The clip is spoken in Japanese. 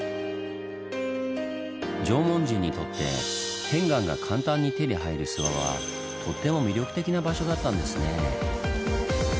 縄文人にとって片岩が簡単に手に入る諏訪はとっても魅力的な場所だったんですねぇ。